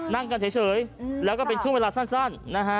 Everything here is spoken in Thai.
นั่งกันเฉยแล้วก็เป็นช่วงเวลาสั้นนะฮะ